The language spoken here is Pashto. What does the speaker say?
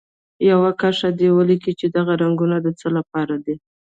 یوه کرښه دې ولیکي چې دغه رنګونه د څه لپاره دي.